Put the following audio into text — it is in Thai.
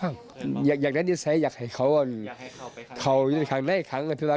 นางพ่อ